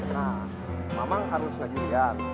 nah mamang harus lagi lihat